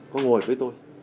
có ngồi với tôi